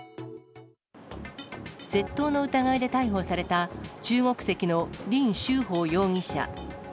窃盗の疑いで逮捕された中国籍の林秀芳容疑者。